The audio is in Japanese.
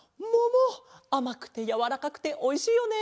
あまくてやわらかくておいしいよね。